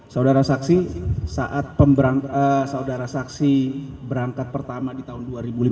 saudara saksi saat saudara saksi berangkat pertama di tahun dua ribu lima belas